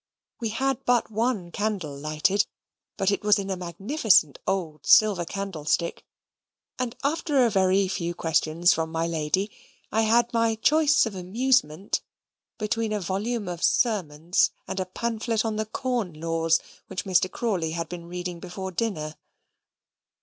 We had but one candle lighted, but it was in a magnificent old silver candlestick, and after a very few questions from my lady, I had my choice of amusement between a volume of sermons, and a pamphlet on the corn laws, which Mr. Crawley had been reading before dinner.